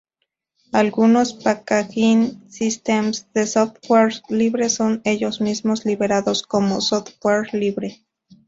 Algunos "packaging systems" de software libre son ellos mismos liberados como software libre.